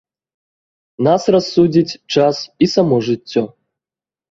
Нас рассудзіць час і само жыццё.